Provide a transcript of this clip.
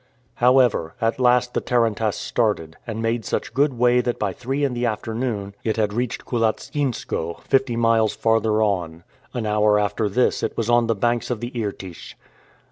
However, at last the tarantass started, and made such good way that by three in the afternoon it had reached Koulatsinskoe, fifty miles farther on. An hour after this it was on the banks of the Irtych.